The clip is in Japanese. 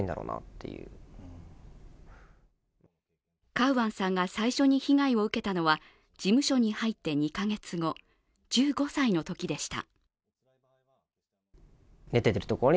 カウアンさんが最初に被害を受けたのは事務所に入って２か月後、１５歳のときでした。